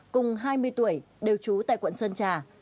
cùng hai mươi tuổi đều trú tại quận sơn trà